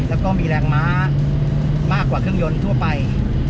แล้วก็มีแรงม้ามากกว่าเครื่องยนต์ทั่วไป